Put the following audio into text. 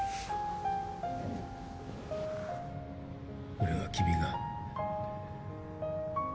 俺は君が。